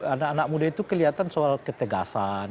anak anak muda itu kelihatan soal ketegasan